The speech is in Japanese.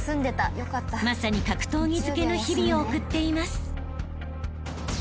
［まさに格闘技漬けの日々を送っています］